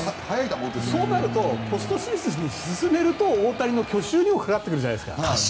そうなるとポストシーズンに進めると大谷の去就にもかかってくるじゃないですか。